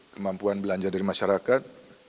kemampuan belanja dari masyarakat